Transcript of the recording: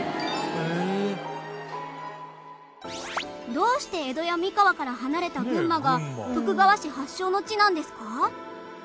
どうして江戸や三河から離れた群馬が徳川氏発祥の地なんですか？